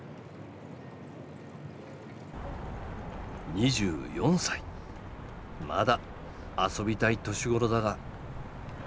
２４歳まだ遊びたい年頃だが。